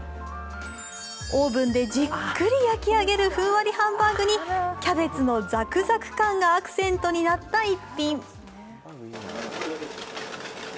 オーブンでじっくり焼き上げるふんわりハンバーグにキャベツのザクザク感がアクセントになった１品。